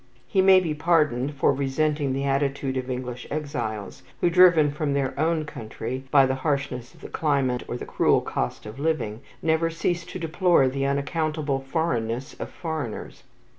He may be pardoned for resenting the attitude of English exiles, who, driven from their own country by the harshness of the climate, or the cruel cost of living, never cease to deplore the unaccountable foreignness of foreigners.